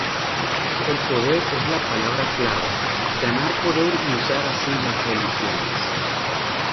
El poder es la palabra clave, ganar poder y usar así las religiones.